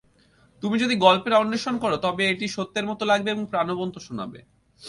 তুমি যদি গল্পের অন্বেষণ কর, তবেই এটি সত্যের মতো লাগবে এবং প্রানবন্ত শোনাবে।